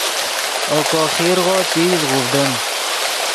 اوکو خیرغو تیز غوڤڈیم